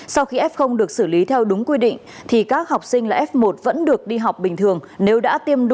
sau hơn bảy tháng ở nhà học trực tuyến